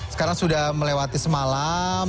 sekarang sudah melewati semalam